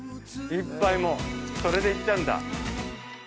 「いっぱい」もそれでいっちゃうんだ。